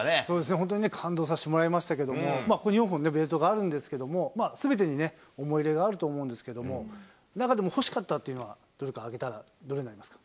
本当に感動させてもらいましたけれども、ここに４本ベルトがあるんですけれども、すべてに思い入れがあると思うんですけれども、中でも欲しかったっていうのは、どれか挙げたら、どれになります